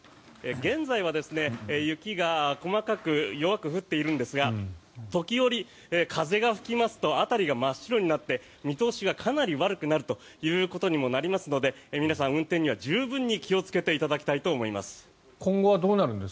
現在は雪が細かく弱く降っているんですが時折、風が吹きますと辺りが真っ白になって見通しがかなり悪くなるということにもなりますので皆さん運転には十分気をつけていただきたいと思います。